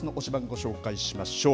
ご紹介しましょう。